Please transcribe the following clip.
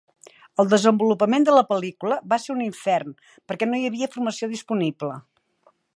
El desenvolupament de la pel·lícula va ser un infern perquè no hi havia formació disponible.